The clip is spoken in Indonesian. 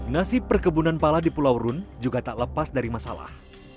nasib perkebunan pala di pulau rune juga tak lepas dari masalah